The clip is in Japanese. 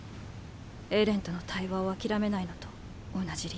エレンとの対話を諦めないのと同じ理由。